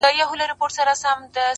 بيا خپه يم مرور دي اموخته کړم,